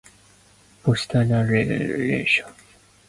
Botswana and Turkey have excellent relations.